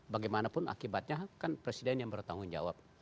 bagaimanapun akibatnya kan presiden yang bertanggung jawab